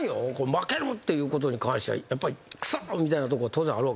負けるっていうことに関してはやっぱり「クソッ」みたいなとこ当然あるわけでしょ？